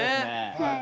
はい。